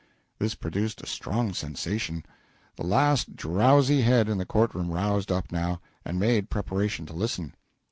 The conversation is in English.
[This produced a strong sensation; the last drowsy head in the court room roused up, now, and made preparation to listen.